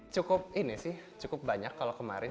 cukup ini sih cukup banyak kalau kemarin